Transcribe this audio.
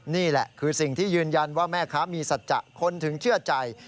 นี่แหละคือสิ่งที่ยืนยันว่าแม่ค้ามีสัจจะคนถึงเชื่อใจ